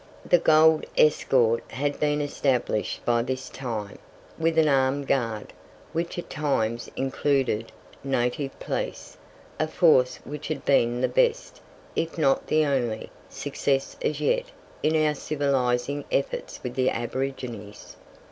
The "gold escort" had been established by this time, with an armed guard, which at times included "native police," a force which had been the best, if not the only, success as yet in our "civilizing" efforts with the aborigines.